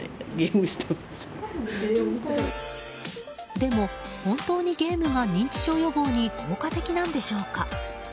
でも、本当にゲームが認知症予防に効果的なんでしょうか？